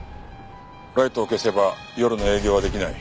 ライトを消せば夜の営業は出来ない。